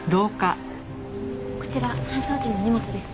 こちら搬送時の荷物です。